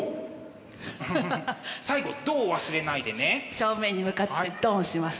正面に向かってドンします。